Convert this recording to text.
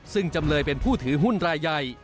ซึ่งจำเลยเป็นผู้ถือหุ้นรายใหญ่